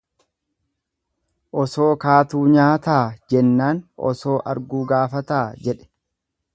Osoo kaatuu nyaataa jennaan osoo arguu gaafataa jedhe.